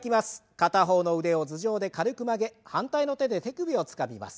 片方の腕を頭上で軽く曲げ反対の手で手首をつかみます。